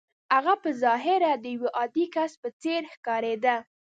هغه په ظاهره د يوه عادي کس په څېر ښکارېده.